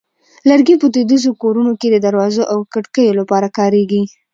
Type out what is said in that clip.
لرګی په دودیزو کورونو کې د دروازو او کړکیو لپاره کارېږي.